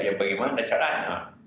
ya bagaimana caranya